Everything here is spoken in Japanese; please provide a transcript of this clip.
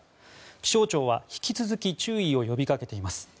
気象庁は引き続き注意を呼びかけています。